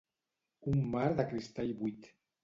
Un mar de cristall buit.